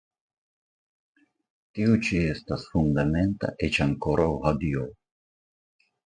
Tiu ĉi estas fundamenta eĉ ankoraŭ hodiaŭ.